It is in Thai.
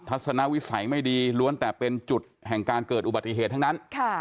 ทศนวิสัยไม่ดีล้วนแต่เป็นจุดแห่งการเกิดอุบัติเหตุทั้งนั้น